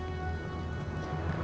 kalian urungkan saja niat kalian